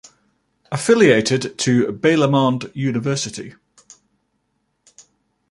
Affiliated to Balamand University.